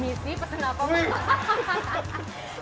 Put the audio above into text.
missy pesen apa mbak